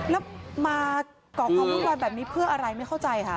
แล้วมาก่อความวุ่นวายแบบนี้เพื่ออะไรไม่เข้าใจค่ะ